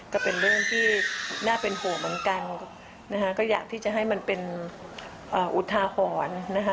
ก็เป็นเรื่องที่น่าเป็นห่วงเหมือนกันนะคะก็อยากที่จะให้มันเป็นอุทาหรณ์นะคะ